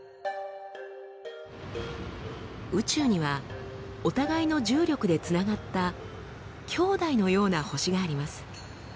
宇宙にはお互いの重力でつながった兄弟のような星があります。